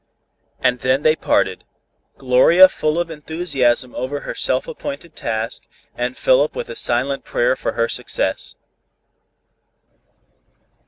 And then they parted; Gloria full of enthusiasm over her self appointed task, and Philip with a silent prayer for her success.